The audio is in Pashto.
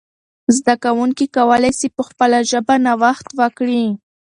زده کوونکي کولای سي په خپله ژبه نوښت وکړي.